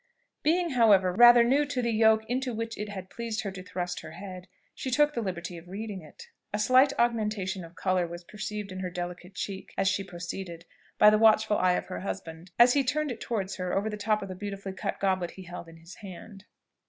Being, however, rather new to the yoke into which it had pleased her to thrust her head, she took the liberty of reading it. A slight augmentation of colour was perceived on her delicate cheek as she proceeded, by the watchful eye of her husband, as he turned it towards her, over the top of the beautifully cut goblet he held in his hand.